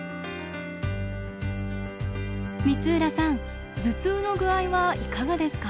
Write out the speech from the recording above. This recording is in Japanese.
光浦さん頭痛の具合はいかがですか？